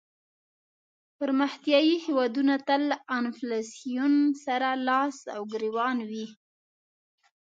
پرمختیایې هېوادونه تل له انفلاسیون سره لاس او ګریوان وي.